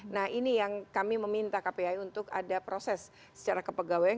nah ini yang kami meminta kpi untuk ada proses secara kepegawaian